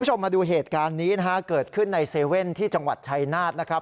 คุณผู้ชมมาดูเหตุการณ์นี้นะฮะเกิดขึ้นใน๗๑๑ที่จังหวัดชัยนาธนะครับ